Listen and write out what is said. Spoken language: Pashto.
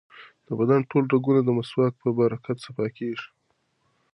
د بدن ټول رګونه د مسواک په برکت صفا کېږي.